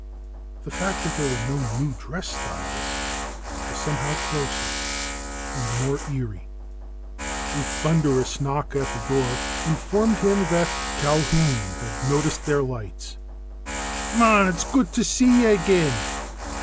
The fact that there were no new dress styles was somehow closer and more eerie. A thunderous knock at the door informed him that Culquhoun had noticed their lights. "Mon, it's guid to see ye again!"